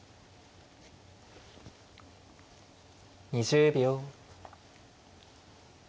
２０秒。